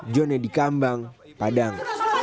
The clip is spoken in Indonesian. jonedi kambang padang